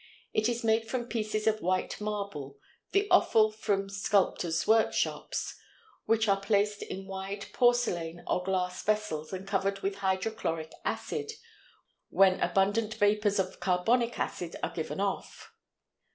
It is made from pieces of white marble, the offal from sculptors' workshops, which are placed in wide porcelain or glass vessels and covered with hydrochloric acid, when abundant vapors of carbonic acid are given off.